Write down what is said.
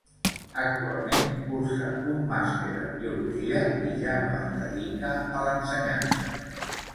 Actualment cursa un màster en biologia i ja no es dedica a l'ensenyança.